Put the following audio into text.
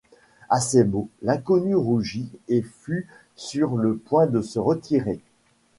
À ces mots, l’inconnu rougit et fut sur le point de se retirer